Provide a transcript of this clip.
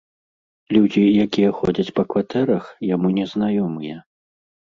Людзі, якія ходзяць па кватэрах, яму незнаёмыя.